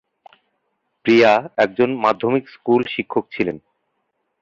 প্রিয়া একজন মাধ্যমিক স্কুল শিক্ষক ছিলেন।